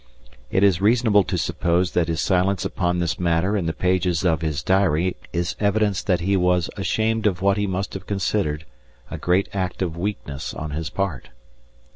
It is reasonable to suppose that his silence upon this matter in the pages of his diary is evidence that he was ashamed of what he must have considered a great act of weakness on his part.